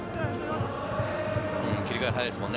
切り替えが早いですもんね。